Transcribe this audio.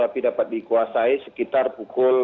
api dapat dikuasai sekitar pukul